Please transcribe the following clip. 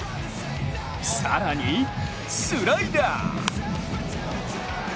更にスライダー。